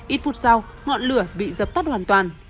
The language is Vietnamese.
ít phút sau ngọn lửa bị dập tắt hoàn toàn